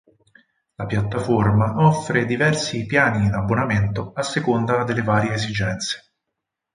La piattaforma offre diversi piani in abbonamento a seconda delle varie esigenze.